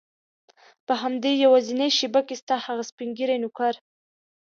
په همدې یوازینۍ شېبه کې ستا هغه سپین ږیری نوکر.